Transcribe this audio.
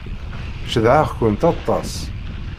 Cedhaɣ-kent aṭas.